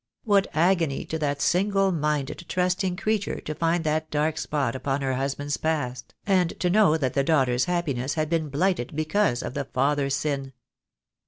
What agony to that single minded, trusting creature to find that dark spot upon her husband's past, and to know that the daughter's happiness had been blighted because of the father's sin.